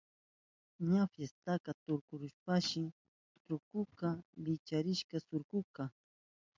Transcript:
Ña fiestaka tukurishpanshi kuntruka likchachirka suruta.